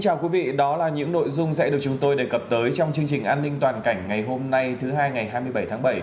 thì đó là những nội dung sẽ được chúng tôi đề cập tới trong chương trình an ninh toàn cảnh ngày hôm nay thứ hai ngày hai mươi bảy tháng bảy